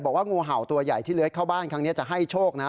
บอกว่างูเห่าตัวใหญ่ที่เล้ยเข้าบ้านครั้งเนี้ยจะให้โชคนะฮะ